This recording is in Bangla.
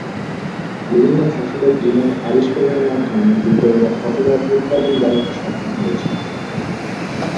বিভিন্ন ফসলের জিনোম আবিষ্কারের মাধ্যমে বিজ্ঞানীরা ফসলের উৎপাদন বাড়াতে সক্ষম হয়েছেন।